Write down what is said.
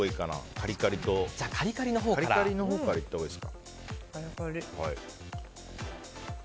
カリカリのほうからいったほうがいいですか。